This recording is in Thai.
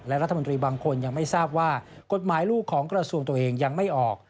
และรัฐมนตรีบางคนยังไม่ทราบว่ากฎหมายลูกของกระทรวงตัวเองยังไม่ออก